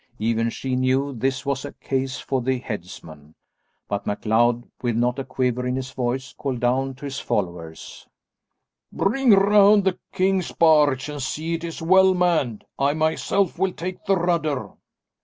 Even she knew this was a case for the headsman, but MacLeod, with not a quiver in his voice, called down to his followers, "Bring round the king's barge, and see it is well manned. I myself will take the rudder."